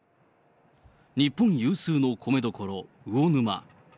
日本有数の米どころ、魚沼。